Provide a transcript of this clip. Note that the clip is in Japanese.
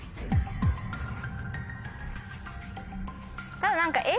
ただ何か。